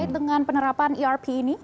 terkait dengan penerapan erp ini